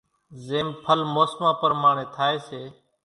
زيم ڦل موسمان پرماڻي ٿائي سي۔